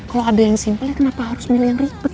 kalo ada yang simple kenapa harus milih yang ribet